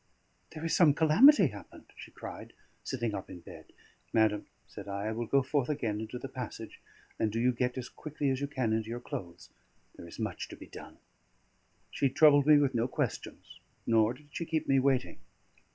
"There is some calamity happened," she cried, sitting up in bed. "Madam," said I, "I will go forth again into the passage; and do you get as quickly as you can into your clothes. There is much to be done." She troubled me with no questions, nor did she keep me waiting.